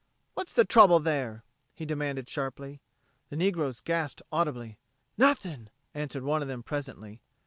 "What's the trouble there?" he demanded sharply. The negroes gasped audibly. "Nothin'," answered one of them presently.